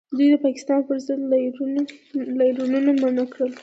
دوی د پاکستان پر ضد لاریونونه منع کړل